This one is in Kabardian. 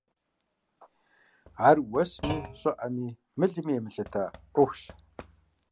Ар уэсми, щӀыӀэми, мылми емылъыта Ӏуэхущ.